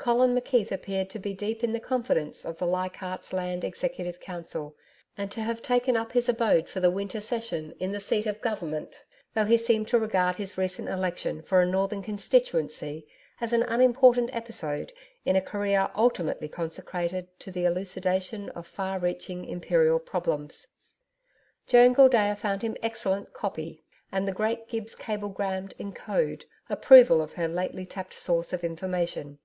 Colin McKeith appeared to be deep in the confidence of the Leichardt's Land Executive Council and to have taken up his abode for the winter session in the Seat of Government, though he seemed to regard his recent election for a Northern constituency as an unimportant episode in a career ultimately consecrated to the elucidation of far reaching Imperial problems. Joan Gildea found him excellent 'copy,' and the great Gibbs cablegrammed, in code, approval of her lately tapped source of information.